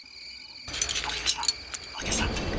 د کلمو د سمې مانا په پېژندلو کي املا مهمه ده.